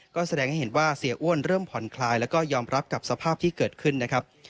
ก็แสดงให้เห็นว่าเสียอ้วนเริ่มผ่อนคลายแล้วก็ยอมรับกับสภาพที่เกิดขึ้นนะครับ